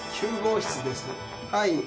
はい。